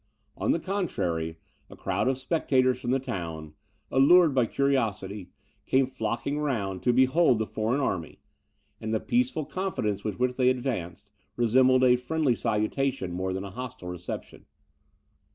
On the contrary, a crowd of spectators from the town, allured by curiosity, came flocking round, to behold the foreign army; and the peaceful confidence with which they advanced, resembled a friendly salutation, more than a hostile reception.